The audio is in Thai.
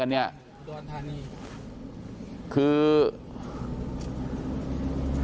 คือนี่คือภาพวันนี้พระสุนิท